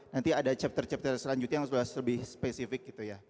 nanti ada chapter chapter selanjutnya yang sudah lebih spesifik